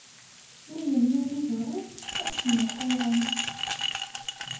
Mi yennul idurar, ad snuffuṛen.